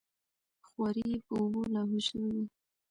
خواري یې په اوبو لاهو شوې وه.